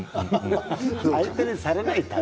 相手にされない感じ。